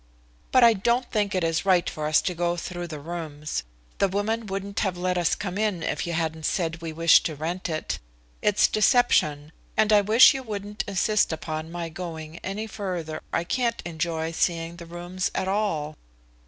"But I don't think it is right for us to go through the rooms. The woman wouldn't have let us come in if you hadn't said we wished to rent it. It's deception, and I wish you wouldn't insist upon my going any further. I can't enjoy seeing the rooms at all."